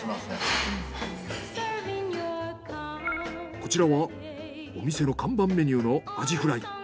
こちらはお店の看板メニューのアジフライ。